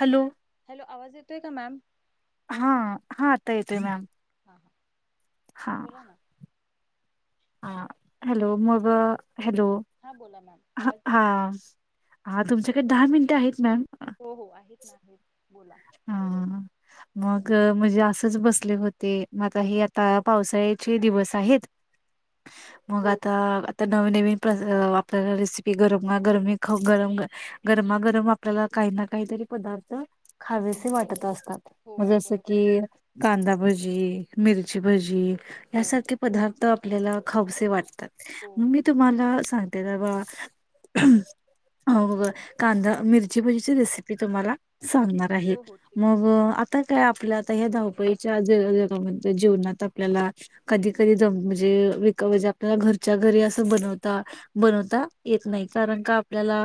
Hello. Hello आवाज येतोय का मॅम. हा, हा आता येतोय मॅम. हा हा हा बोला ना. हा हॅलो मग. हॅलो हा बोला मॅम ह आवाज हा येतोय हा तुमच्याकडे दहा मिनिटे आहेत मॅम. हो हो आहेत ना आहेत बोला. हाहा हा. मग म्हणजे असंच बसले होते म आता हे आता पावसाळ्याचे दिवस आहेत. मग हो आता आता न. नवीन नवीन प्र आपल्याला रेसिपी गरम गरमी खा गरम गरमा गरम आपल्याला काही. काहीतरी पदार्थ खावेसे वाटत असतात. हो मग हो जस बरोबर की कांदाभजी मिरची भजी हो यासारखे पदार्थ आपल्याला खावस वाटतात. हो मी तुम्हाला सांगते तेबा हो कांदा मिरची भजीची रेसिपी तुम्हाला सांग आहे हो हो ठीक आहे मग आता काय आपलं हे धाव धावपळीच्या जगामध्ये जीवनात आपल्याला, कधी कधी दम म्हणजे विक आपल्याला घर च्या घरी अस बनवता बनवता येत नाही. कारण का आपल्याला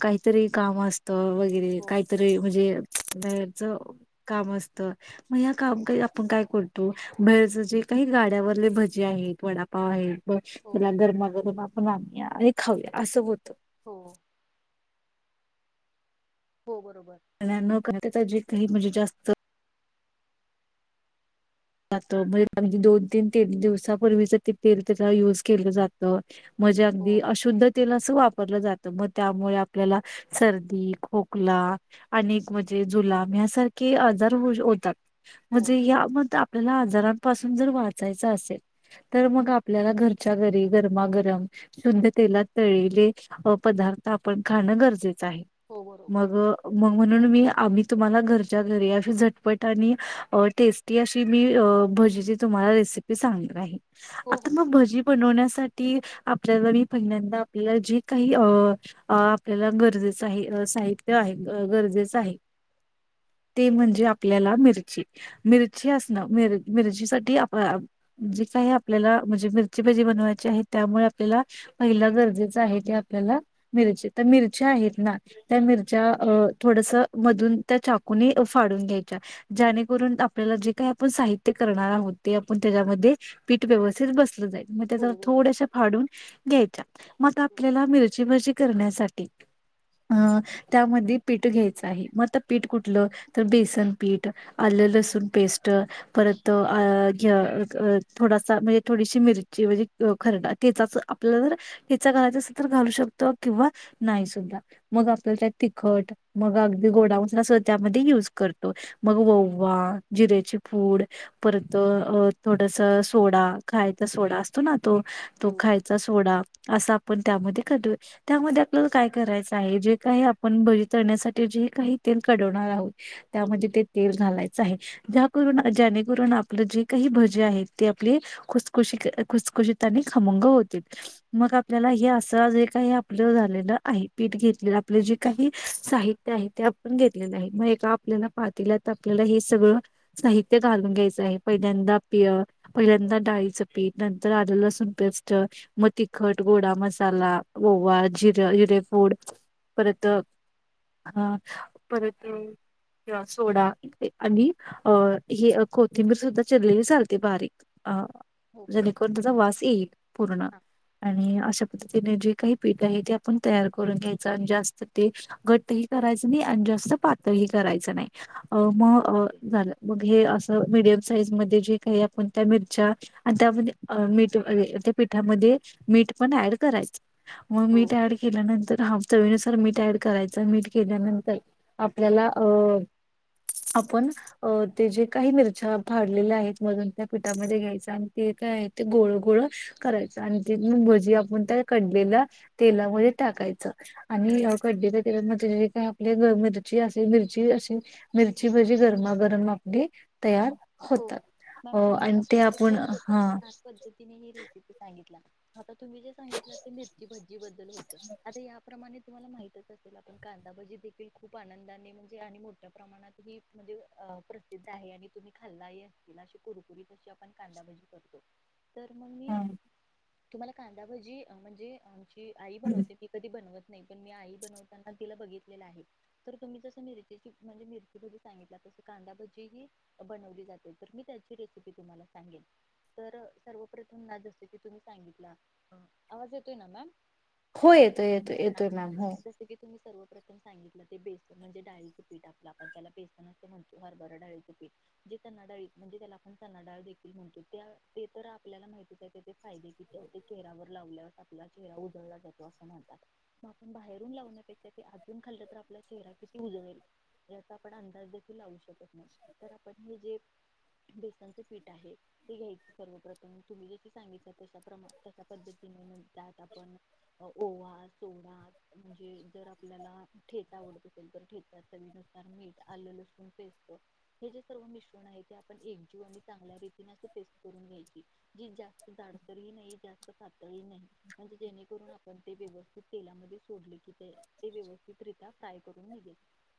काहीतरी काम अस वगैरे हो काहीतरी म्हणजे बाहेरच काम असतं. मग या काम पाई आपण काय करतो. बाहेरच जे काही गाड्यावरले भजे आहेत, वडापाव आहेत हो त्याला गरमागरम आपण आणूया आणि खाऊया असं होत. हो. हो बरोबर. न करता जे काही म्हणजे जास्त ज हो म्हणजे दोन तीन तेन दिवसापूर्वीच ते तेल त्याचा युज केलं जात. मजे हो अगदी अशुद्ध तेल वापरलं जात. मग त्यामुळे आपल्या सर्दी, खोकला अनेक म्हणजे जू लाब या सारखे अजार होऊ होतात. हो म्हणजे आपल्याला आजारांपासून जर वाचायच असेल, तर मग आपल्याला घरच्या घरी गरमागरम शुद्ध तेलात तळलेले पदार्थ आपण खाणं गरजे हो बरोबर मग मग म्हणून मी आम्ही तुम्हाला घरच्या घरी अशी झटपट आणि टेस्टी अशी मी भजीची तुम्हाला रेसिपी सांगणार आहे. हो आता हो मग ठीक भजी बनवण्यासाठी आप आपल्या घरी पहिल्यांदा आपल्याला जे काही अ- आपल्याला गरजेचं आहे, साहित्य आहे. गरजेच आहे, ते म्हणजे आपल्याला मिरची. मिर मिरची असण, मिर मिरची साठी आप जे काय आपल्याला म्हणजे मिरची भजी बनवायची आहे त्यामुळे आपल्याला पहिला गरजेच आहे ते आपल्याला मिरची. तर मिरच्या आहेत ना, त्या मिरच्या अ थोडस मधून त्या चाकूने फाडून घ्यायच्या. ज्यानेकरून आप आपल्याला जे काही आपण साहित्य करणार आहोत ते आपण त्याच्यामध्ये पीठ व्यवस्थित बसलं जाईल. म त्या हो बरोबर थोड्याश फाडून घ्यायच्या. मग आता ओके आपल्याला मिरची भजी करण्यासाठी अ त्यामध्ये पीठ घ्यायचं आहे. मग पीठ कुठलं तर बेसन पीठ अल्ल लसून पेस्ट परत घ थोडसा म्हणजे थोडीशी मिरची म्हणजे ख ठेचाच आपल्याला ठेचा घालायचा असला तर घालू शकतो किंवा नाही सुद्धा. मग आप तिखट मग अगदी गोडा मसाला सगळ त्यामध्ये युज करतो. मग ववा जिऱ्याची पूड परत अ थोडस सोडा खायचा सोडा असतो ना तो तो हो खायचा सोडा. असं आपण त्यामध्ये करतोय. त्यामध्ये आपल्याला काय करायचं आहे जे काही आपण भजी तळण्यासाठी जे काही तेल कढवणार आहोत, त्यामध्ये ते तेल घालायच आहे. ज्याकरून ज्याणेकरून आपलं जे काही भजे आहेत ते आपले खुसखुशी खुसखुशीत आणि खमंग होतील. मग आपल्याला हे हो असं जे का आपलं झालय आहे. पीठ घेतलेलं आपले जे काही साहित्य आहे ते आपण घेतलेलं आ. हे मग एका आपल्याला पाते ल्यात आपल्याला हे सगळं साहित्य घालून घ्यायचं आहे. पहिल्यांदा पिय पहिल्यांदा डाळीचं पीठ नंतर आल्ल लसून पेस्ट, म तिखट, गोडा मसाला, ओवा, जिर, जिरे पूड परत हा. परत सोडा आणि अ ही कोथिंबीर सुद्धा चिरलेली चालते बारीक. अ ओके जणेकरून त्याचा वास पूर्ण हा आणि अशा पद्धतीने जे काही पीठ आहे ते आपण तयार करून घ्यायच आणि जास्त ते घट ह करायच नाही आणि जास्त पातळ ह क करायच नाही अ मग ओके झालं मग हे असं मीडियम साईज मध्ये जे काही आपण त्या मिरच्या आणि त्यामध्ये मीठ त्या पठामध्ये मीठ पण ऍड करायचं मग हो मीठ ऍड केल्यानंतर हा चवीनुसार मीठ ऍड करायचं मीठ केल्यानंतर आपल्याला अ आपण अ ते जेकाही मिरच्या फाडलेल्या आहेत मधून त्या पिठामध्ये घ्यायच आणि ते काय आहे ते गोळं गोळं करायचं आणि ते मग भजी आपण त्या काढलेल्या तेलामध्ये टाकायचं आणि आओ काढलेल्या तेलात म्हणजे हे काय आपले असे मिरची अशी मिरची भजी गरमा गरम आपली तयार. हो हो. अ मॅम तुम्ही आणि अस ते आपण खूप हा छान पद्धतीने ही रेसिपी सांगितला. आता तुम्ही जे सांगितलं ते मिरची भजी बद्दल होत आता याप्रमाणे तुम्हाला माहितच असेल आपण काय कांदा भजी देखील खूप आनंदाने म्हणजे आणि मोठ्या प्रमाणात ही म्हणजे प्रसिद्ध आहे आणि तुम्ही खाल्ला ही आश्शीला कुरकुरीत अशी आपण कांदाभजी करतो. तर मग मी तुम्हाला कांदाभजी म्हणजे आमची आई बनवते. मी कधी बनवत नाही पण मी आई बनवताना तिला बघितलेलं आहे तर तुम्ही जस मिरचीची म्हणजे मिरची सांगितला. तसं कांदाभजी ही बनवली जाते तर मी त्यांची रेसिपी तुम्हाला सांगेल तर सर्व प्रथम जस की तुम्ही सांगितला. अ आवाज येतोय ना मॅम हो येतोय येतोय येतोय मॅम हो. प्रथम सांगितलं ते बेसन म्हणजे डाळीचं पीठ असतं आपण त्याला बेसन आस म्हणतो हरबरा डाळीचं [inaudible] चणाडाळी म्हणजे त्याला आपण चनाडाळ देखील म्हणतो ते तर आपल्याला माहतीच आहे त्याचे फायदे किती होते. चेहऱ्यावर लावल्यावर आपला चेहरा उजाळा जातो असं म्हणतात. म आपण बाहेरून लावण्यापेक्षा ते आतून खाल्ला तर आपला चेहरा किती उजळेल याचा आपण अंदाज देखील लावू शकत नाही. तर आपण हे जे बेसनचं पीठ आहे. ते घ्यायच सर्वप्रथम तुम्ही जसे सांगितला तशा प्रमाणे तशा पद्धतीने जादा पण [inaudible] म्हणजे जर आपल्याला ठेचा आवडत असेल तर ठेट चवीनुसार मीठ आलंलसूण पेस्ट हे जे सर्व मिश्रण आहे. ते आपण एकजीव आणि चांगल्या रीतीने आस पेस्ट करून घ्यायची. जे जास्त जाडसर ही नाही जास्त पातळी ही नाही. म्हणजे जेणेकरून आपण ते व्यवस्थित तेलामध्ये सोडलं की ते व्यवस्थितरीत्या फ्राय करून निघेल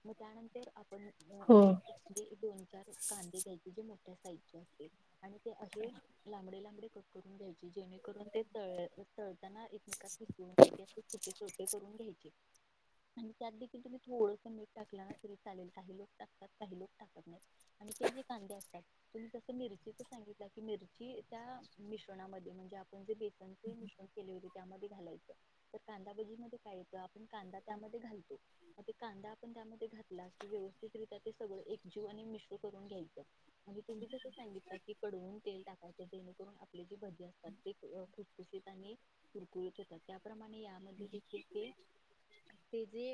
म त्यानंतर आ पण हो एक म्हणजे दोन चार कांदे घ्यायचे जे मोठ्या साईज चे असतील आणि ते असे लांबडे लांबडे घ्यायचे जेणे करून ते तळ तळताना एकमेकात चिटकू नये ते असे सुट्टे सुट्टे करून घ्यायचे. आणि त्यात देखील तुम्ही थोडस मीठ टाकलं ना तरी चालेल काही लोक टाकतात काही लोक टाकत नाहीत. आणि ते जे कांदे असतात तुम्ही जस मिरची सांगितला की मिरची त्या मिश्रणा मध्ये म्हणजे आपण जे आपण जे मिश्रण केले होते त्यामध्ये घालायचं तर कांदाभजी मध्ये काय येतं. कांदा त्या घालतो. म ते कांदा आपण त्या घातला की व्यवस्थितरित्या सगळ एक जीव आणि मिस्क करून घ्यायचं म्हणजे तुम्ही जसं सांगितला की कडवून तेल टाकायचं. जेणेकरून आपले जी भजी असतात ते खुसखुशीत आणि आणि कुरकुरीत होतात. त्याप्रमाणे आणि या मध्ये देखील ते. ते जे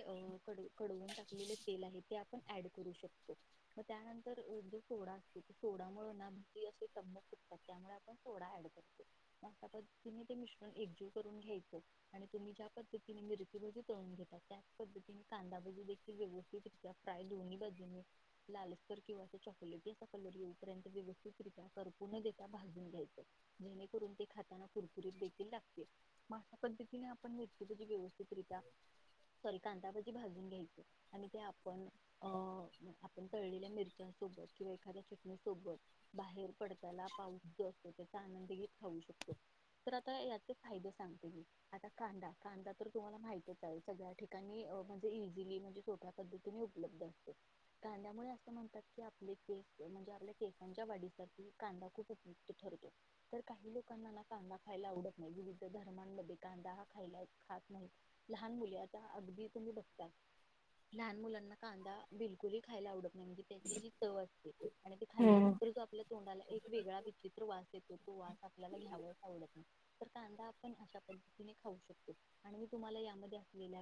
कडवून टाक लेलं तेल आहे ते आपण ऍड करू शकतो. म त्यानंतर जो सोडा असतो. सोडा मुळ ना भजी असे टंम फुगतात. त्यामुळे आपण सोडा अँड करतो. म अशा पद्धतीने ते मिश्रण एकजीव करून घ्यायचं आणि तुम्ही ज्या पद्धतीने मिर रची भजी तळून घेता. त्याच पद्धतीने कांदा भजी देखील व्यवस्थितरीत्या फ्राय दोन्हीं बाजूनी लालसर किंवा अस चॉकलेटी असा कलर येऊपर्यंत व्यवस्थितरित्या करपून देता भाजून घ्यायचं जेणे करून ते खाताना कुरकुरीत देखील लागते. म आशा पद्धतीने आपण मिरची भजी घेऊ व्यवस्तितरित्या सॉरी कांदा भजी भाजून घ्यायचं आणि ते आपण अ आपण तळलेल्या मिरच्यांसोबत किंवा एखाद्या चटणी सोबत बाहेर पडत्याला पाऊस गळतोय ते [inaudible] खाऊ शकतो. तर आता याचे फाये सांगते मी आता कांदा कांदा तर तुम्हाला माहितच आहे [inaudible] सगळ्या ठिकाणी म्हणजे. इजिली म्हणजे सोप्या पद्तीने उपलब्ध असते. [inaudible] अस म्हणतात की आप केस म्हणजे आपल्या केसांच्या वाढीसार कांदा खूप उपयुक्त ठरते. तर काही लोकांना कांदा खायला आवडत नाही विविध धर्मांमध्ये कांदा हा खायला खास नाही लहान मुली आता अगदी तुम्ही बघता लहान मुलांना कांदा बिलकुल खायला आवडत म्ह त्याची ज चव असते आणि ते हो खाल्ल्यानंतर आपल्या तोंडाला एक वेगळा विचित्र वा ेत तो वास आपल्याला घ्यालाच आवडत नाही. कांदा आपण अशा पद्तीने खाऊ शकतो आणि मी तुम्हाला यामध्ये असलेल्या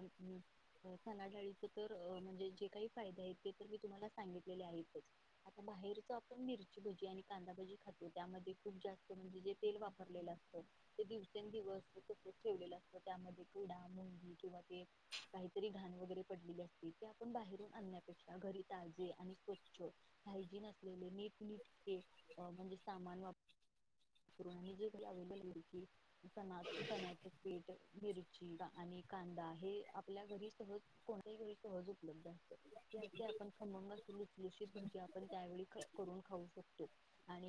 डाळीच तर म्हणजे जे काही फाये आहे ते तर मी तुम्हाला सांगितलेले आहेतच आता बाहेर ज आपण मिरची भजी आणि कांदा भजी खातो त्यामध्ये खूप जात म्हणजे जे तेल वापरलेलं असत ते दिवसेंदिवस तसच ठेवलेलं असतं त्यामध्ये डा मुंगी किंवा ते काहीतरी घाण वगैरे पडलेले असते ते आपण बाहेरून आणण्यापेक्षा घरी ताजे आणि स्वच्छ हायजीन असलेले नीट नीटके म्हणजे सामान वापर ण निजे घरी आव्हेलेबल आहे की चणा चण्याच पीठ मिरची आणि कांदा हे आपल्या घरी सहज कोणत्याही घरी सहज उपलब्ध आहे. आपण खमंग असे लुसलुशीत भजी आपण त्यावेळी करून खाऊ शकतो आणि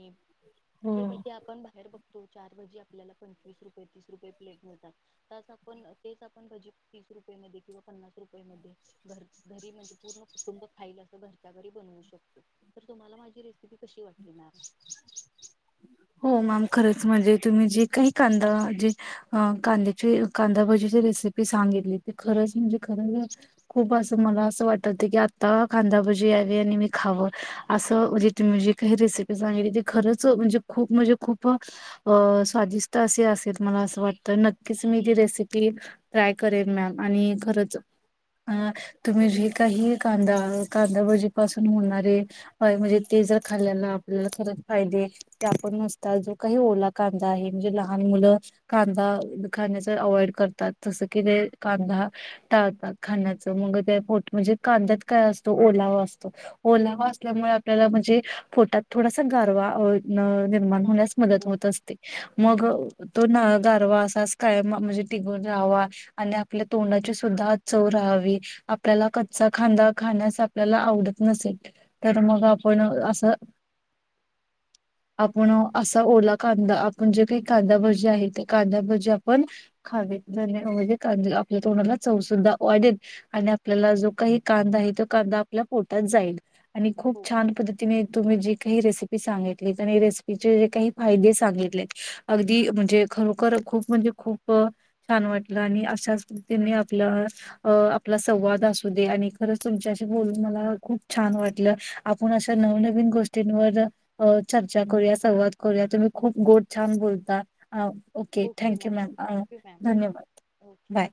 ह [unintelligible] ते पाजे आपण बाहेर बघतो चार भजी आपल्याला पंचवीस रुपये तीस रुपयेत प्लेट मिळतात ताच आपण तेच आपण भजी तीस रुपये मध्ये किंवा पन्नास रुपये मध्ये घ घरी म्हणजे पूर्ण कुटुंब खाईल असं घरच्या घरी बनवू शकतो तर तुम्हाला माझी रेसिपी कशी वाटलि मॅम. [inaudible] हो मॅम खरंच म्हणजे तुम्ही जे काही कांदा जे कांद्याची कांदाभजीची रेस सांगितली ती खरंच म्हणजे खरंच खूप आस मला आस वाटवतय की आता कांदा भाजी व्हे आणि मी खावं आस मजे तुमी जे की ही रेसीपी सांगितलि ते खरंच अ म्हणजे खूप म्हणजे खूप स्वादिष्ट असे असेल मला असं वाटतं नक्कीच मी ती रेसिपी ट्राय करेल मॅम आणि खरच अ तुम्ही जे काही कांदा कांदावजीपासून होणारे म्हणजे ते र खाल्ल्या आपल्याला खरच फायदे. ते आपण नसता जो काही ओला कांदा आहे म्हणजे लहान मुलं कांदा खाण्याचा अवाईड ात तस कि ते कांदा टाळतात खाण्याच मग म्हणजे कांद्यात काय असतो ओलावा असतो ओलावा असल्यामुळे आपल्याला म्हणजे पोटात थोडासा गरवा अ निर्माण होण्यास मदत हो होत असते मग तो न गारवा असाच काय म्हणजे टिघून राहावा आणि आपल्या तोंडाची सुद्धा चव रा आपल्याला कचा खांदा खाण्यास आपल्याला आवडत नसेल तर मग आप अस आपण असा ओला कांदा आपण जे काही कांदा भाजी आहे ते कांदा भाजी आपण खावे म्हजे कांदे आपल्या तोणाला चवसुद्धा वाढेल आणि आपल्याला जो काही कांदा त कांदा आपल्या पोटात जाईल आणि खूप हो छान बरोबर पद्धतीनी तुम्ही जे काही रेसीपी सांगा रेसिपीेचे काही फायदे सांगितले अगदी म्हणजे खरोखर खूप म्हणजे खूप छान वाट आणि अश पतीने आपला आपला संवाद असू दे आणि खरच तुमच्याशी बोलून मला खूप छान वाटलं आपण अशा नवनवीन गोष्टींवर अ चर्चा करूया संवाद करूया तुम्ही खूप गोड छान बोलता. ओके थँक्यू मॅम धन्यवाद ओके. बाय.